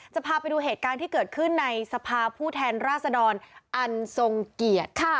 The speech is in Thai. จะพาไปดูเหตุการณ์ที่เกิดขึ้นในสภาผู้แทนราษดรอันทรงเกียรติ